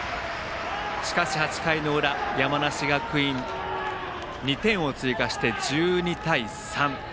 しかし８回の裏、山梨学院２点を追加して、１２対３。